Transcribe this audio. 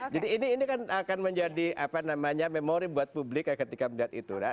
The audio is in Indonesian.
jadi ini kan akan menjadi memori buat publik ketika melihat itu